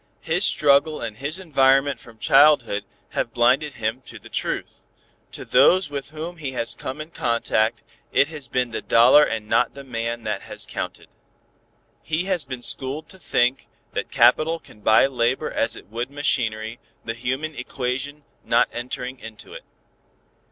His struggle and his environment from childhood have blinded him to the truth. To those with whom he has come in contact, it has been the dollar and not the man that counted. He has been schooled to think that capital can buy labor as it would machinery, the human equation not entering into it.